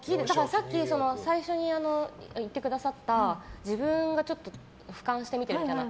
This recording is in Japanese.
さっき、最初に言ってくださった自分がちょっと俯瞰してるみたいな。